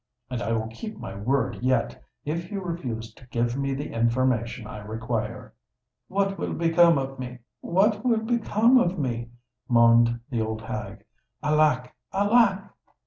And I will keep my word yet, if you refuse to give me the information I require." "What will become of me? what will become of me!" moaned the old hag. "Alack! alack!"